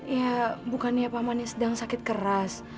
ya bukannya pak manis sedang sakit keras